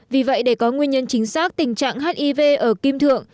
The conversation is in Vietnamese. vì vậy để có nguyên nhân chính xác tình trạng hiv ở kim thượng